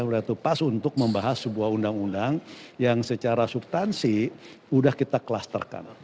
sudah pas untuk membahas sebuah undang undang yang secara subtansi sudah kita klasterkan